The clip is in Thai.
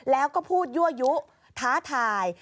แล้วก็พูดยั่วยุท้าทาย